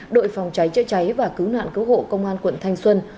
đội phòng cháy chữa cháy và cứu nạn cứu hộ công an quận thanh xuân